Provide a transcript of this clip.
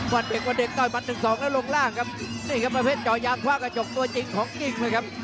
วันเด็กวันเด็กต่อยมัดหนึ่งสองแล้วลงล่างครับนี่ครับประเภทจอยางคว้ากระจกตัวจริงของจริงเลยครับ